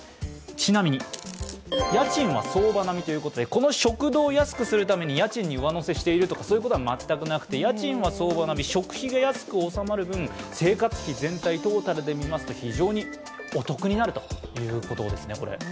この食堂を安くするために、家賃に上乗せしているとか、そういうことは全くなくて家賃は相場並み食費が安く収まる分、生活費全体トータルで非常にお得になるということですね。